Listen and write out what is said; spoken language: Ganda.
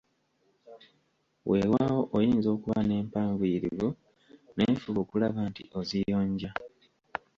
Weewaawo oyinza okuba nempanvuyirivu naye fuba okulaba nti oziyonja.